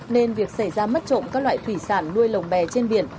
nên việc xảy ra mất trộm các loại thủy sản nuôi lồng bè trên biển